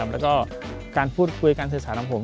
แล้วก็การพูดคุยการสื่อสารของผม